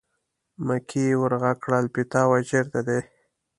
مکۍ ور غږ کړل: پیتاوی چېرته دی.